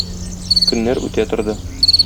Көннәр үтә торды.